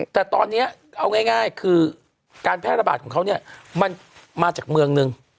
แต่ตอนนี้เอาง่ายคือการแพร่ระบาดของเขาเนี่ยมันมาจากเมืองนึง